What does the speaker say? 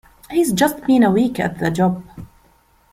He’s just been a week at the job.